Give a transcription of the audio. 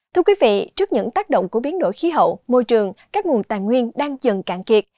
thưa quý vị trước những tác động của biến đổi khí hậu môi trường các nguồn tài nguyên đang dần cạn kiệt